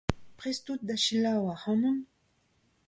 Prest out da selaou ac'hanon ?